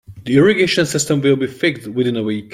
The irrigation system will be fixed within a week.